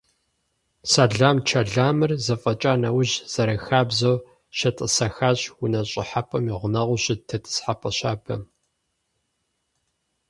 Сэлам-чэламыр зэфӀэкӀа нэужь, зэрахабзэу, щетӀысэхащ унэ щӀыхьэпӀэм и гъунэгъуу щыт тетӀысхьэпӏэ щабэм.